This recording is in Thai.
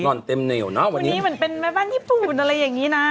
อนเต็มเหนียวนะวันนี้เหมือนเป็นแม่บ้านญี่ปุ่นอะไรอย่างนี้นะ